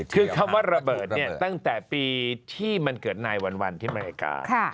คือคำว่าระเบิดเนี่ยตั้งแต่ปีที่มันเกิดนายวันที่อเมริกา